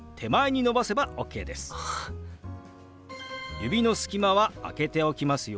指の隙間は空けておきますよ